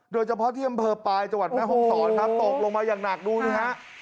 โดยเฉพาะที่อำเภอปลายจังหวัดแม่ห้องศรครับตกลงมาอย่างหนักดูสิฮะ